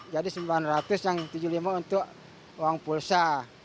jadi sembilan ratus yang tujuh puluh lima untuk uang pulsa